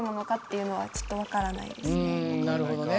なるほどね。